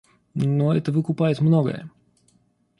Но это выкупает многое.